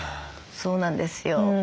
そうなんですよ。